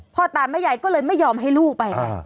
พ่อตาแม่ยายก็เลยไม่ยอมให้ลูกไปไง